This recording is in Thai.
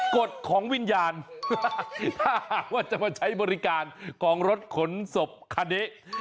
กฎของวิญญาณถ้าหากว่าจะมาใช้บริการของรถขนศพคันนี้